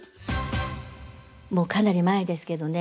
もうかなり前ですけどね